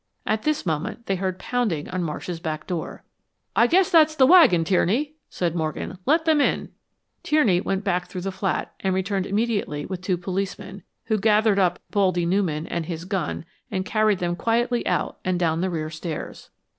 At this moment they heard pounding on Marsh's back door. "I guess that's the wagon, Tierney," said Morgan. "Let them in." Tierney went back through the flat and returned immediately with two policemen, who gathered up "Baldy" Newman and his gun and carried them quietly out and down the rear stairs.